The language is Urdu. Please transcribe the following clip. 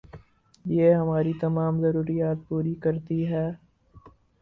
یہ ہماری تمام ضروریات پوری کرتی ہے